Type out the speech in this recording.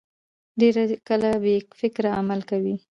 ډېر کله بې فکره عمل کوي.